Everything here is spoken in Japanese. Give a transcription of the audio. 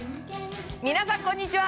皆さんこんにちは！